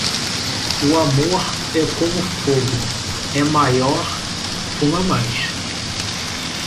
O amor é como fogo; É maior, fuma mais.